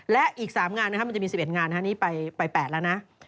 และอีก๓งานนะครับมันจะมี๑๑งานนี้ไป๘แล้วนะ